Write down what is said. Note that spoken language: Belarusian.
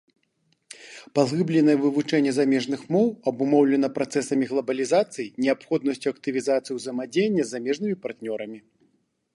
Паглыбленае вывучэнне замежных моў абумоўлена працэсамі глабалізацыі, неабходнасцю актывізацыі ўзаемадзеяння з замежнымі партнёрамі.